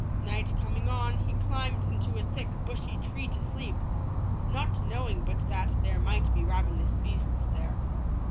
Night coming on, he climbed into a thick, bushy tree to sleep, not knowing but that there might be ravenous beasts there.